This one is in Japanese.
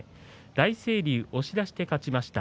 大成龍は押し出しで勝ちました。